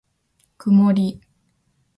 くもり